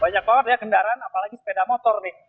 banyak banget ya kendaraan apalagi sepeda motor nih